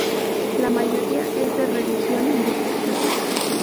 La mayoría es de religión budista.